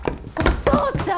お父ちゃん！